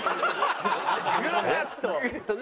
グーッと。